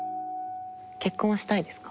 結婚はしたいですか？